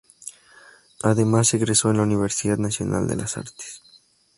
Además se egresó en la Universidad Nacional de las Artes.